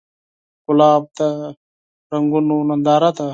ګلاب د رنګونو ننداره ده.